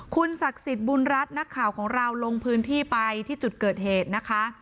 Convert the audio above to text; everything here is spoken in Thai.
คุณศักดิ์สิทธิ์บุญรัฐนักข่าวของเราลงพื้นที่ไปที่จุดเกิดเหตุนะคะ